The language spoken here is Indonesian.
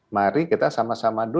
mari kita sama sama dulu